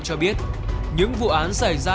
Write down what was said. cho biết những vụ án xảy ra